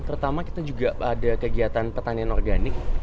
pertama kita juga ada kegiatan pertanian organik